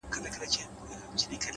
پوهه د وېرې کړۍ ماتوي’